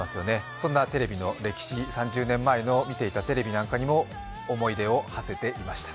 そんなテレビの歴史、３０年前に見ていたテレビの思い出をはせていました。